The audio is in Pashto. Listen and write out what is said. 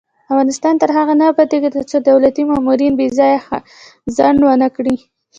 افغانستان تر هغو نه ابادیږي، ترڅو دولتي مامورین بې ځایه ځنډ ونه کړي.